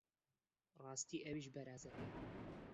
ڕاستی ئەویش بەرازەکە!